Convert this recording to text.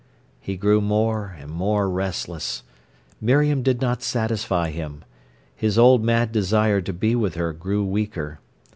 He grew more and more restless. Miriam did not satisfy him. His old mad desire to be with her grew weaker.